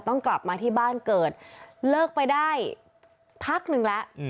ต้องกลับมาที่บ้านเกิดเลิกไปได้พักหนึ่งแล้ว